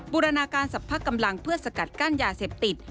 บูรณาการสรรพกำลังเพื่อสกัดกั้นยาเสพติด